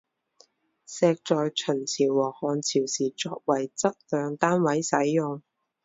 石在秦朝和汉朝时作为质量单位使用。